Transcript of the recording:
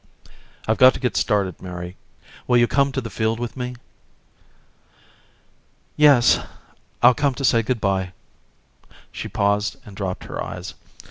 "I've got to get started, Mary. Will you come to the field with me?" "Yes, I'll come to say good by." She paused and dropped her eyes.